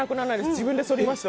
自分でそりました。